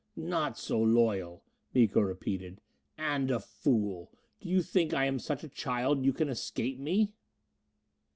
"Not so loyal," Miko repeated. "And a fool! Do you think I am such a child you can escape me!"